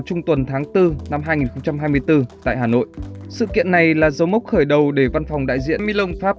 trung tuần tháng bốn năm hai nghìn hai mươi bốn tại hà nội sự kiện này là dấu mốc khởi đầu để văn phòng đại diện milan fab